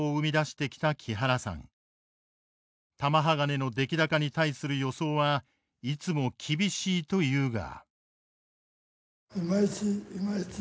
玉鋼の出来高に対する予想はいつも厳しいというが。